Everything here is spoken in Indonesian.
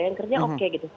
yang kerja oke gitu